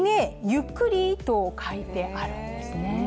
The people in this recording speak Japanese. ゆっくり！と書いてあるんですね。